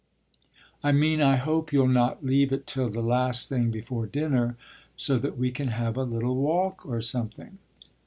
"I mean I hope you'll not leave it till the last thing before dinner, so that we can have a little walk or something."